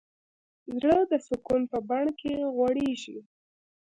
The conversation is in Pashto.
زړه د سکون په بڼ کې غوړېږي.